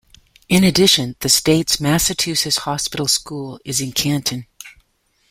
In addition, the state's Massachusetts Hospital School is in Canton.